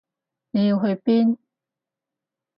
你要去邊？